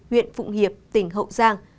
huyện phụng hiệp tỉnh hậu giang